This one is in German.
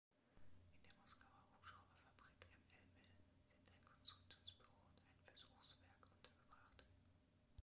In der Moskauer Hubschrauberfabrik M. L. Mil sind ein Konstruktionsbüro und ein Versuchswerk untergebracht.